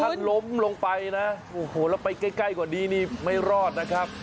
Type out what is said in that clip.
ถ้าล้มลงไปนะโอ้โหแล้วไปใกล้กว่านี้นี่ไม่รอดนะครับ